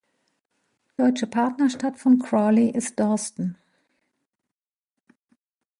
Deutsche Partnerstadt von Crawley ist Dorsten.